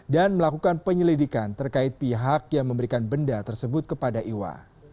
dan melakukan penyelidikan terkait pihak yang memberikan benda tersebut kepada iwa